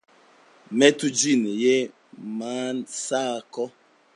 Metu ĝin je mansako.